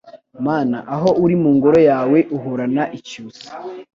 Mana aho uri mu Ngoro yawe uhorana icyusa